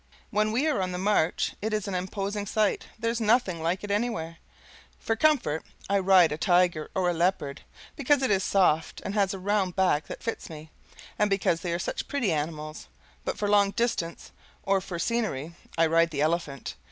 When we are on the march, it is an imposing sight there's nothing like it anywhere. For comfort I ride a tiger or a leopard, because it is soft and has a round back that fits me, and because they are such pretty animals; but for long distance or for scenery I ride the elephant.